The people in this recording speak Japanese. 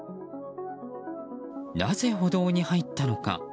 なぜ歩道に入ったのか。